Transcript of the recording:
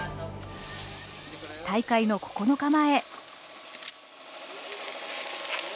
大会の９日前。